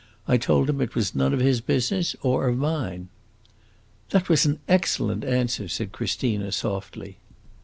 I told him it was none of his business, or of mine." "That was an excellent answer!" said Christina, softly.